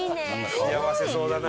幸せそうだな。